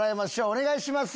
お願いします。